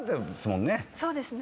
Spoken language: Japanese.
そうですね。